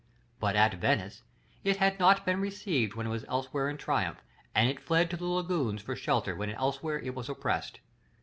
But at Venice, it had not been received when it was elsewhere in triumph, and it fled to the lagoons for shelter when elsewhere it was oppressed.